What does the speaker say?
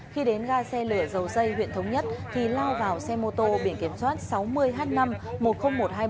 khi đến ga xe lửa dầu dây huyện thống nhất thì lao vào xe mô tô biển kiểm soát sáu mươi h năm một mươi nghìn một trăm hai mươi ba